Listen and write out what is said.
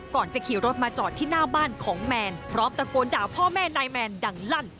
ก่อนจะขี่รถมาจอดที่หน้าบ้านของแมนพร้อมตะโกนด่าพ่อแม่นายแมนดังลั่น